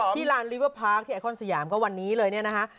ลานลิเวอร์พาร์คที่ไอคอนสยามก็วันนี้เลยเนี่ยนะคะ